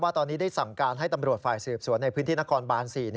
ตอนนี้ได้สั่งการให้ตำรวจฝ่ายสืบสวนในพื้นที่นครบาน๔